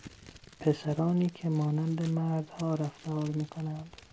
پسرانی که مانند مردها رفتار میکنند